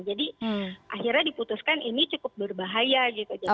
jadi akhirnya diputuskan ini cukup berbahaya gitu